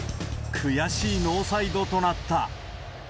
悔しいノーサイドとなった。